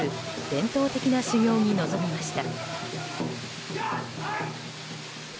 伝統的な修行に臨みました。